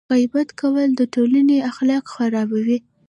غیبت کول د ټولنې اخلاق خرابوي.